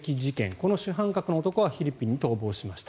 この主犯格の男はフィリピンに逃亡しました。